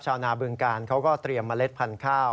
ชาวนาบึงการเขาก็เตรียมเมล็ดพันธุ์ข้าว